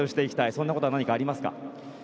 そんなことは何かありますか。